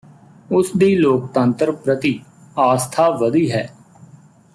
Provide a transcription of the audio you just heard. ਉਸ ਦੀ ਲੋਕਤੰਤਰ ਪ੍ਰਤੀ ਆਸਥਾ ਵਧੀ ਹੈ